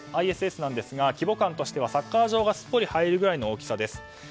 ＩＳＳですが規模感としてはサッカー場がすっぽり入るぐらいの大きさです。